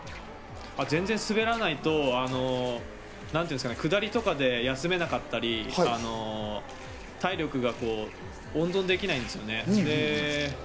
全然滑らないと下りとかで休めなかったり、体力が温存できないんですね。